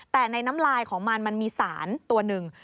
แต่ในน้ำลายของมันมันมีสารตัวหนึ่ง